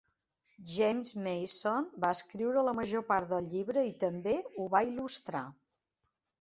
James Mason va escriure la major part del llibre i també ho va il·lustrar.